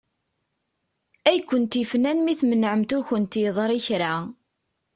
Ay kent-ifnan mi tmenεemt ur kent-yeḍri kra.